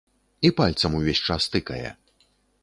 І пальцам увесь час тыкае.